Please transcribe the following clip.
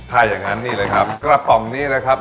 ถ้าอย่างนั้นนี่เลยครับกระป๋องนี้นะครับ